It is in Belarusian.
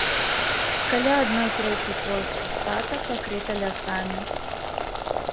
Каля адной трэці плошчы штата пакрыта лясамі.